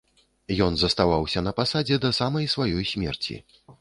Ён заставаўся на пасадзе да самай сваёй смерці.